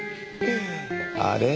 あれ？